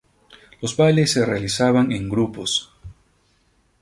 Los bailes se realizaban en grupos.